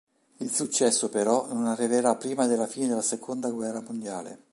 Il successo però non arriverà prima della fine della seconda guerra mondiale.